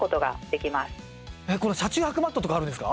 これ車中泊マットとかあるんですか？